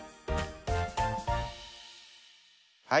はい。